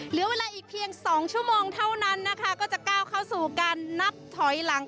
เหลือเวลาอีกเพียง๒ชั่วโมงเท่านั้นนะคะก็จะก้าวเข้าสู่การนับถอยหลัง